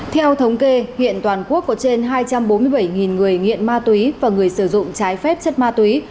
theo thống kê hiện toàn quốc có trên hai trăm bốn mươi bảy người nghiện ma túy và người sử dụng trái phép chất ma túy